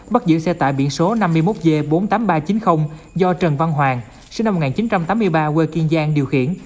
bắt giữ xe tải biển số năm mươi một g bốn mươi tám nghìn ba trăm chín mươi do trần văn hoàng sinh năm một nghìn chín trăm tám mươi ba quê kiên giang điều khiển